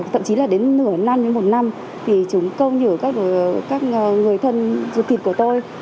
thậm chí là đến nửa năm đến một năm thì chúng câu nhử các người thân ruột thịt của tôi